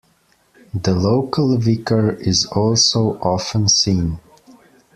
The local vicar is also often seen.